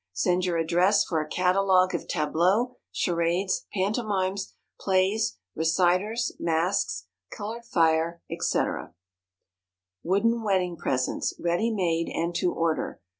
Send your address for a Catalogue of Tableaux, Charades, Pantomimes, Plays, Reciters, Masks, Colored Fire, &c., &c. WOODEN WEDDING PRESENTS Ready made and to order.